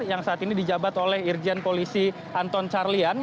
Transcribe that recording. yang saat ini dijabat oleh irjen polisi anton carlian